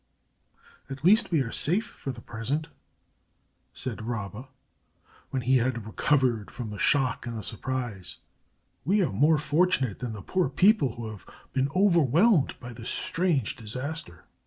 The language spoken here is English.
"At least we are safe for the present," said Rabba, when he had recovered from the shock and the surprise. "We are more fortunate than the poor people who have been overwhelmed by this strange disaster."